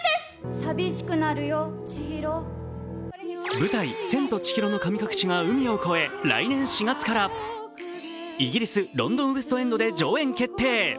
舞台「千と千尋の神隠し」が海を越え、来年４月からイギリス、ロンドン・ウェストエンドで上演決定。